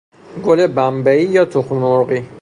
گل بمبئی یا تخم مرغی